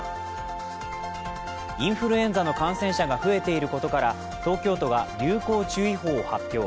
インフルエンザの感染者が増えていることから東京都が流行注意報を発表。